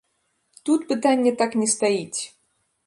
Тут пытанне так не стаіць!